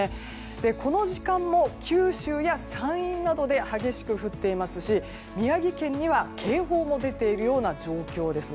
この時間も九州や山陰などで激しく降っていますし宮城県には警報も出ているような状況です。